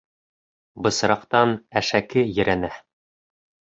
Бысраҡтан әшәке ерәнә.